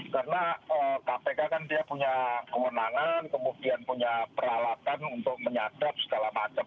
karena kpk kan dia punya kemenangan kemudian punya peralatan untuk menyadap segala macam